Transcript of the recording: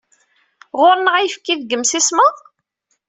Ɣur-neɣ ayefki deg yimsismeḍ?